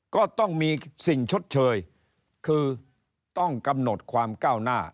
ก็ต้องมีสิ่งชดเชยคือต้องกำหนดความก้าวหน้า